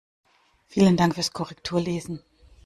Vielen Dank fürs Korrekturlesen!